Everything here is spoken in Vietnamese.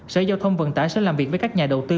sở giao thông vận tải sẽ làm việc với các nhà đầu tư